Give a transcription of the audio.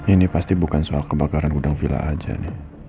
ini pasti bukan soal kebakaran hutan villa aja nih